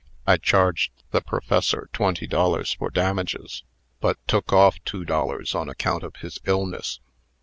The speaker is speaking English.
I charged the Professor twenty dollars for damages, but took off two dollars on account of his illness.